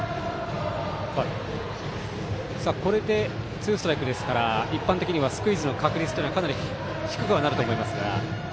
ツーストライクですから一般的にはスクイズの確率がかなり低くなると思いますが。